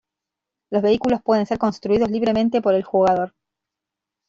Los vehículos pueden ser construidos libremente por el jugador.